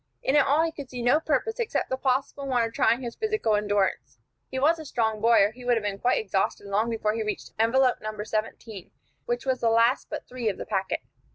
In it all he could see no purpose, except the possible one of trying his physical endurance. He was a strong boy, or he would have been quite exhausted long before he reached envelope No. 17, which was the last but three of the packet.